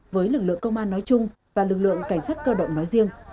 với lực lượng công an nói chung và lực lượng cảnh sát cơ động nói riêng